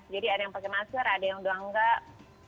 ada yang pakai masker ada yang udah enggak